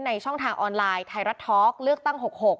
ช่องทางออนไลน์ไทยรัฐทอล์กเลือกตั้ง๖๖